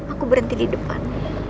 aku berhenti di depan